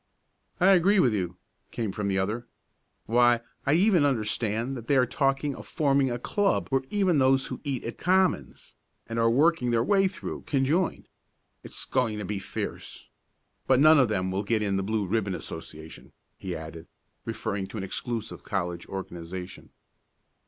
"I agree with you," came from the other. "Why I even understand that they are talking of forming a club where even those who eat at commons, and are working their way through, can join. It's going to be fierce. But none of them will get in the Blue Ribbon Association," he added, referring to an exclusive college organization.